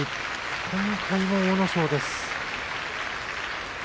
今回も阿武咲です。